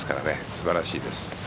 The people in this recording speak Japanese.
素晴らしいです。